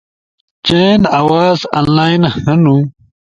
چئین آواز انلائن ہنو